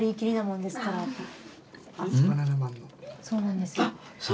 そうなんです。